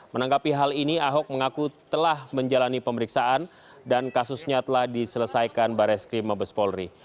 menanggapi hal ini ahok mengaku telah menjalani pemeriksaan dan kasusnya telah diselesaikan baris krim mabes polri